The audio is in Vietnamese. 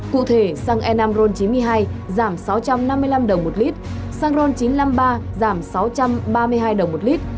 cụ thể xăng e năm ron chín mươi hai giảm sáu trăm năm mươi năm đồng một lít xăng ron chín trăm năm mươi ba giảm sáu trăm ba mươi hai đồng một lít